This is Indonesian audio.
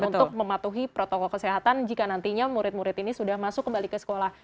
untuk mematuhi protokol kesehatan jika nantinya murid murid ini sudah masuk kembali ke sekolah